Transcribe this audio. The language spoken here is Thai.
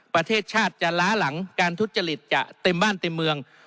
ประเทศชาติจะล้าหลังการทุจริตจะเต็มบ้านเต็มเมือง